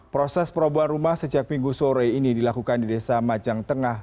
proses perobohan rumah sejak minggu sore ini dilakukan di desa majang tengah